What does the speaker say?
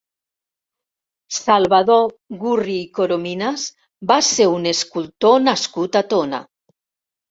Salvador Gurri i Corominas va ser un escultor nascut a Tona.